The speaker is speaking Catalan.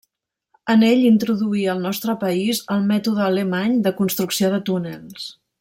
En ell introduí al nostre país el mètode alemany de construcció de túnels.